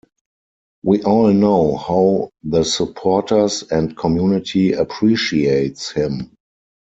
We all know how the supporters and community appreciates him.